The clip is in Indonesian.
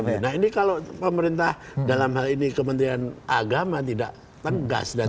nah ini kalau pemerintah dalam hal ini kementerian agama tidak tegas